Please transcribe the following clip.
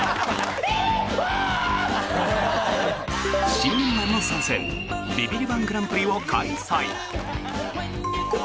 新メンバー参戦！ビビリ−１グランプリを開催。